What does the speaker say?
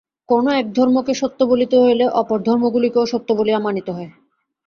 কোন এক ধর্মকে সত্য বলিতে হইলে অপর ধর্মগুলিকেও সত্য বলিয়া মানিতে হয়।